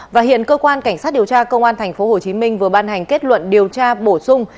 và hiện cơ quan cảnh sát điều tra công an tp hcm vừa ban hành kết luận điều tra bổ sung